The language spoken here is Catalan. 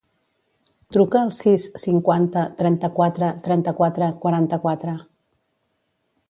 Truca al sis, cinquanta, trenta-quatre, trenta-quatre, quaranta-quatre.